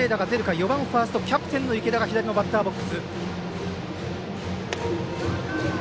４番、ファースト、キャプテンの池田が左バッターボックス。